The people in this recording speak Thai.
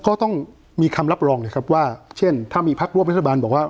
ก็ต้องมีคำรับรองเลยครับว่าเช่นถ้ามีพักร่วมรัฐบาลบอกว่า